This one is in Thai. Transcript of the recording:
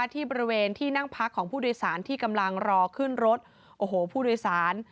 ที่บริเวณที่นั่งพักของผู้โดยสารที่กำลังรอขึ้นรถโอ้โหผู้โดยสาร